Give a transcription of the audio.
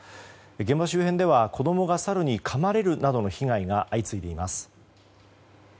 現場周辺では子供がサルにかまれるなどの被害が相次いでいます。